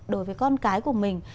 đối với con cái của mình